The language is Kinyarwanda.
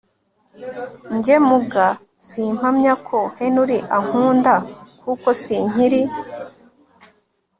Njye muga simpamya ko Henry ankunda kuko sinkiri